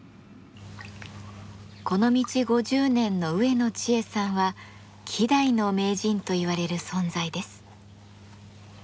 この道５０年の植野知恵さんは希代の名人といわれる存在です。